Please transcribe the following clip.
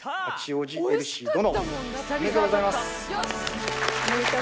おめでとうございます。